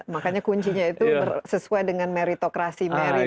makanya kuncinya itu sesuai dengan meritokrasi meri